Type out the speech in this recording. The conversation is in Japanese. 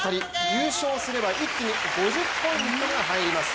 優勝すれば一気に５０ポイントが入ります。